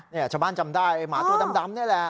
ชาวบ้านจำได้หมาตัวดำนี่แหละ